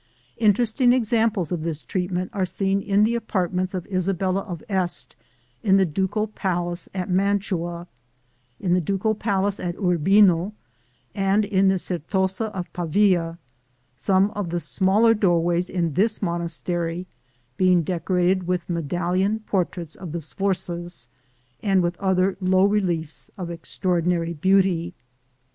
Interesting examples of this treatment are seen in the apartments of Isabella of Este in the ducal palace at Mantua (see Plate XIV), in the ducal palace at Urbino, and in the Certosa of Pavia some of the smaller doorways in this monastery being decorated with medallion portraits of the Sforzas, and with other low reliefs of extraordinary beauty.